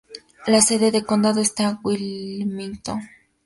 La sede de condado está en Wilmington.